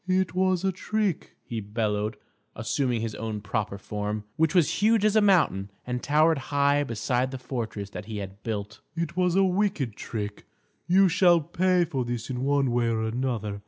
"It was a trick!" he bellowed, assuming his own proper form, which was huge as a mountain, and towered high beside the fortress that he had built. "It was a wicked trick. You shall pay for this in one way or another.